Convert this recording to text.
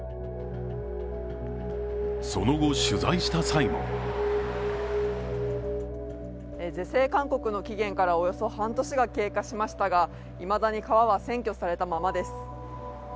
その後、取材した際も是正勧告の期限からおよそ半年が経過しましたがいまだに川は占拠されたままです。